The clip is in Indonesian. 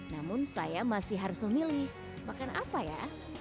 namun saya masih harus memilih makan apa ya